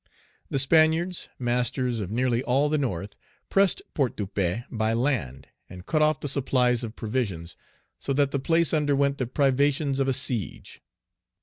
The Spaniards, masters of nearly all the North, pressed Port de Paix by land, and cut off the supplies of provisions, so that the place underwent the privations of a siege.